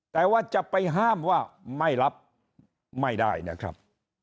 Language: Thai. แต่ว่าจะไปห้ามว่าไม่รับไม่ได้นะครับ